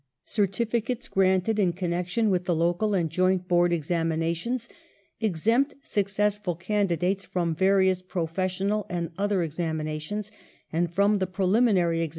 Certificates granted in connection with the Local and Joint Board examinations exempt successful candidates from various professional and other examina tions and from the preliminary examinations at the Universities themselves.